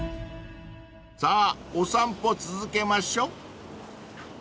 ［さぁお散歩続けましょ］